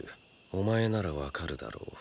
お前ならわかるだろう。